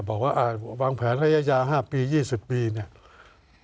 บอกว่าอ่าวางแผนให้ยายาห้าปียี่สิบปีเนี่ย